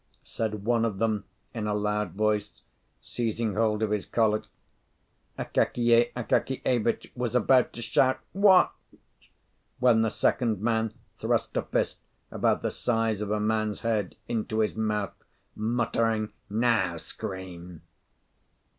said one of them in a loud voice, seizing hold of his collar. Akakiy Akakievitch was about to shout "watch," when the second man thrust a fist, about the size of a man's head, into his mouth, muttering, "Now scream!"